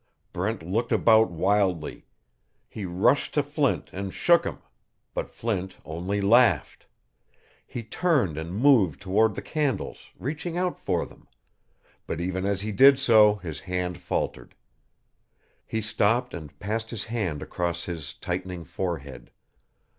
Brent looked about wildly. He rushed to Flint and shook him. But Flint only laughed. He turned and moved toward the candles, reaching out for them. But even as he did so his hand faltered. He stopped and passed his hand across his tightening forehead.